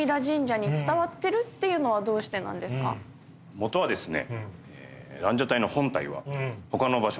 元はですね